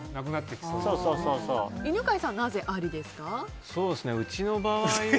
犬飼さんは、なぜありですか？